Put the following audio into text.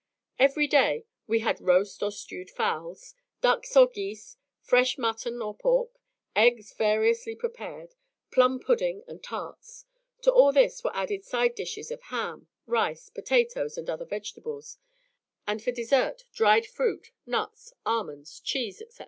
Every day we had roast or stewed fowls, ducks, or geese, fresh mutton or pork, eggs variously prepared, plum pudding and tarts; to all this were added side dishes of ham, rice, potatoes, and other vegetables; and for dessert, dried fruit, nuts, almonds, cheese, etc.